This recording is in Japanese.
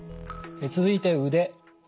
続いて腕。